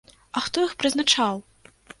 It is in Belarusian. А хто іх прызначаў?